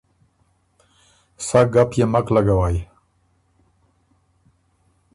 سۀ ګپ يې مک لګوئ۔